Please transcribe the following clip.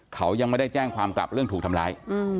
เขายังไม่ได้แจ้งความกลับเรื่องถูกทำร้าย